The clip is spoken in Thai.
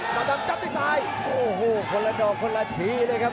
ดำจับด้วยซ้ายโอ้โหคนละดอกคนละทีเลยครับ